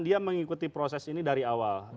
dia mengikuti proses ini dari awal